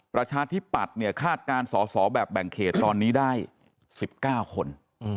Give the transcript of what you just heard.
ประชาธิปัตย์เนี่ยคาดการณ์สอสอแบบแบ่งเขตตอนนี้ได้๑๙คน